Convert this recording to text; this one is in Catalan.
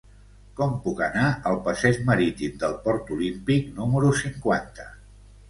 Com puc anar al passeig Marítim del Port Olímpic número cinquanta?